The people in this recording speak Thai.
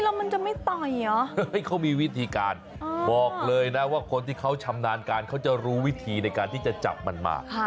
แล้วมันจะไม่ต่อยเหรอเขามีวิธีการบอกเลยนะว่าคนที่เขาชำนาญการเขาจะรู้วิธีในการที่จะจับมันมา